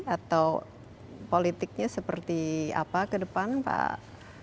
atau politiknya seperti apa ke depan pak